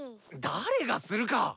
誰がするか！